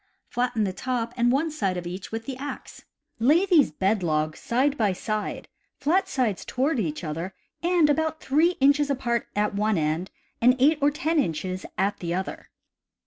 Flatten the top and one side of each with the axe. Lay these bed logs side by side, flat sides toward each other, and about 3 inches apart at one end and 8 or 10 inches at the other.